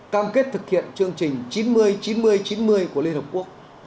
cam kết thực hiện chương trình chín mươi chín mươi chín mươi của liên hợp quốc